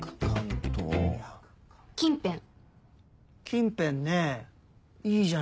近辺！